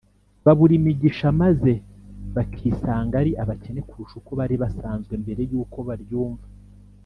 babura imigisha, maze bakisanga ari abakene kurusha uko bari basanzwe mbere y’uko baryumva